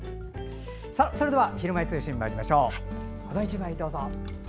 それでは「ひるまえ通信」まいりましょう。